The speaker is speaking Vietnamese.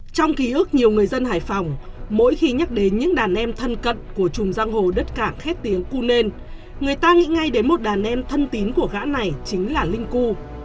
trong ký ức nhiều người dân hải phòng mỗi khi nhắc đến những đàn em thân cận của chùm giang hồ đất cảng khét tiếng cu nên người ta nghĩ ngay đến một đàn em thân tín của gã này chính là linh cu